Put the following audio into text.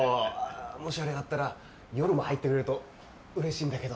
もしあれだったら夜も入ってくれるとうれしいんだけど。